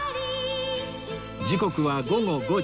時刻は午後５時